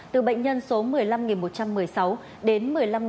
từ bệnh nhân số một mươi năm một trăm một mươi sáu đến một mươi năm một trăm năm mươi hai